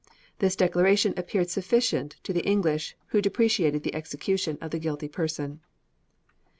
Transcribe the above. This declaration appeared sufficient to the English, who deprecated the execution of the guilty person.